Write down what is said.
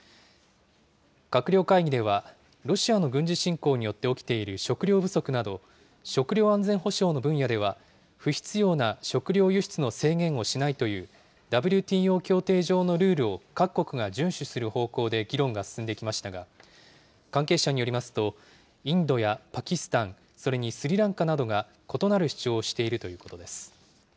閣僚会議では、ロシアの軍事侵攻によって起きている食料不足など、食料安全保障の分野では、不必要な食料輸出の制限をしないという、ＷＴＯ協定上のルールを各国が順守する方向で議論が進んできましたが、関係者によりますと、インドやパキスタン、それにスリランカなどが、異なる主張をしているということです。